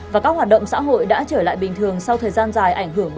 và các hoạt động xã hội đã trở lại bình thường sau thời gian dài ảnh hưởng